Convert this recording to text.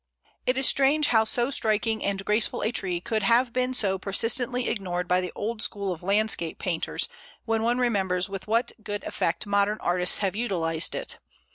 It is strange how so striking and graceful a tree could have been so persistently ignored by the old school of landscape painters, when one remembers with what good effect modern artists have utilized it.